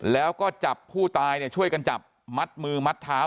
แล้วก็จับผู้ตายช่วยกันจับมัดมือมัดเท้า